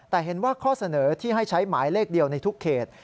แต่เห็นว่าข้อเสนอที่ให้ใช้หมายเลขเดียวในทุกเขต